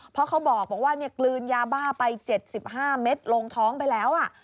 เพราะเขาบอกว่ากลืนยาบ้าไป๗๕เม็ดลงท้องไปแล้ว